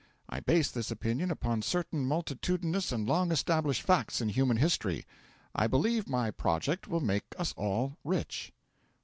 I base this opinion upon certain multitudinous and long established facts in human history. I believe my project will make us all rich."